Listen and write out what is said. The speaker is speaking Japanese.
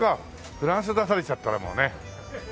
フランス出されちゃったらもうね。